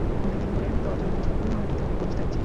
অনেক দিন ধরিয়া তজ্জন্য উহা অনুদ্রিত অবস্থায় ছিল।